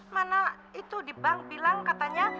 mana itu di bank bilang katanya